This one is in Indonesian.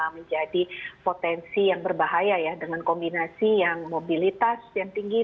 menjadi potensi yang berbahaya ya dengan kombinasi yang mobilitas yang tinggi